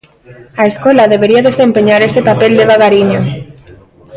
A escola debería desempeñar ese papel devagariño.